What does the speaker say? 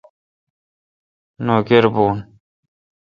نوکر بھون۔